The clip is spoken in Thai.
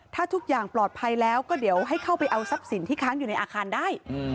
ถ้าทุกอย่างปลอดภัยแล้วก็เดี๋ยวให้เข้าไปเอาทรัพย์สินที่ค้างอยู่ในอาคารได้